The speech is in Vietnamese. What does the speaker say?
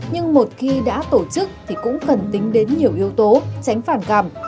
nhưng một khi đã tổ chức thì cũng cần tính đến nhiều yếu tố tránh phản cảm